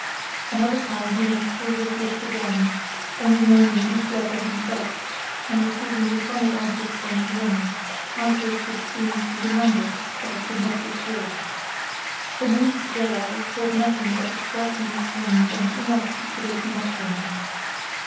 Another time he went through this list again, only naming each letter himself, and receiving laconic answers from Grimm—answers which seemed to be numbers, but I could not be sure. For minutes together I caught nothing but the scratching of pens and inarticulate mutterings.